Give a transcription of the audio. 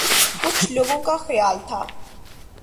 کچھ لوگوں کا خیال تھا